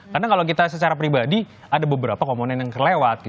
karena kalau kita secara pribadi ada beberapa komponen yang kelewat